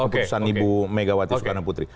keputusan ibu megawati soekarno putri